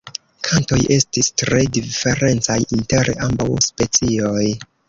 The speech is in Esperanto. Kantoj estis tre diferencaj inter ambaŭ specioj.